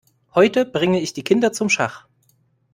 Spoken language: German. Heute bringe ich die Kinder zum Schach.